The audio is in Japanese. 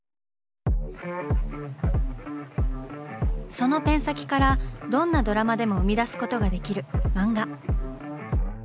そのペン先からどんなドラマでも生み出すことができる「漫画」。